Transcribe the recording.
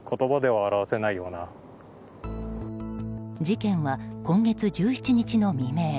事件は今月１７日の未明